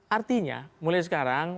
artinya mulai sekarang